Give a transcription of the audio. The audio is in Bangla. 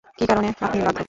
কি কারণে আপনি বাধ্য?